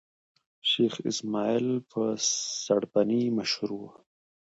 شېخ اسماعیل په سړبني مشهور وو.